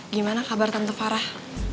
gimana kabar tante farah